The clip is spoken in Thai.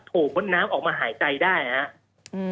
โถมน้ำออกมาหายใจได้อะฮะ